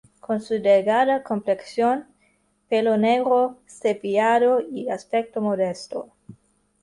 Con su delgada complexión, pelo negro cepillado, y aspecto modesto.